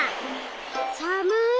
さむい。